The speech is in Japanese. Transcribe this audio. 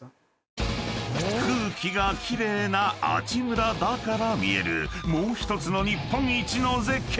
［空気が奇麗な阿智村だから見えるもう１つの日本一の絶景］